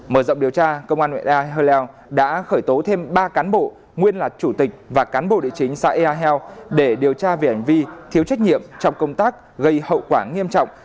mở rộng điều tra công an nguyễn đại hơ leo đã khởi tố thêm ba cán bộ nguyên là chủ tịch và cán bộ địa chính xã ea hèo để điều tra vẻn vi thiếu trách nhiệm trong công tác gây hậu quả nghiêm trọng